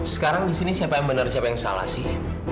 sekarang di sini siapa yang benar siapa yang salah sih